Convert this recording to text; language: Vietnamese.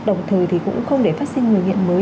đồng thời thì cũng không để phát sinh người nghiện mới